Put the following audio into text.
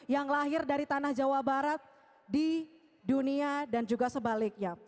yang lahir dari tanah jawa barat di dunia dan juga sebaliknya